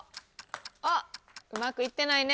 うまくいってないね